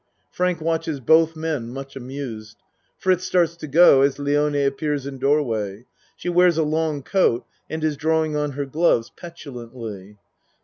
(Frank watches both men, much amused. Fritz starts to go as Lione appears in doorway. She wears a long coat and is drawing on her gloves petulantly.)